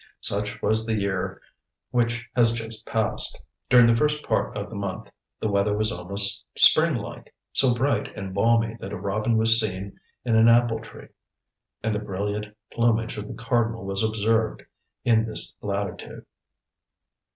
Such was the year which has just passed. During the first part of the month the weather was almost springlike; so bright and balmy that a robin was seen in an apple tree, and the brilliant plumage of the cardinal was observed in this latitude.